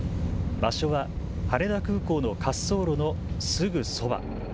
場所は羽田空港の滑走路のすぐそば。